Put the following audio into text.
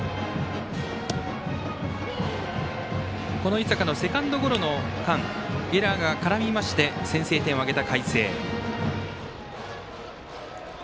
井坂のセカンドゴロの間エラーが絡みまして先制点を挙げた海星。